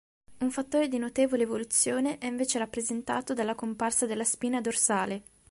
Un fattore di notevole evoluzione è invece rappresentato dalla comparsa della spina dorsale.